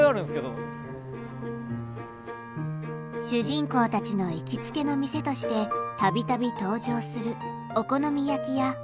主人公たちの行きつけの店として度々登場するお好み焼き屋